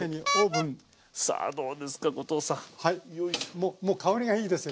ももう香りがいいですよ